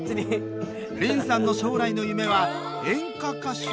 凜さんの将来の夢は演歌歌手？